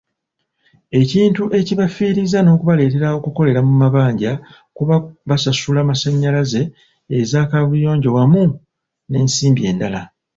Ekintu ekibafiiriza n'okubaleetera okukolera mu mabanja kuba basasula amasannyalaze, eza kaabuyonjo wamu n'ensimbi endala.